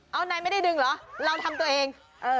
เอาไหนไม่ได้ดึงเหรอเราทำตัวเอง